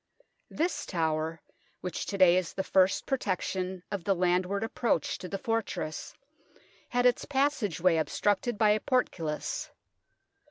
This tower, which to day is the first protection of the landward approach to the fortress, had its passage way obstructed by a portcullis.